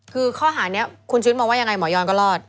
คือข้อหานี้คุณชุวิตมองว่ายังไงหมอยอนก็รอด